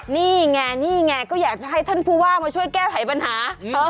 นี่ไงนี่ไงก็อยากจะให้ท่านผู้ว่ามาช่วยแก้ไขปัญหา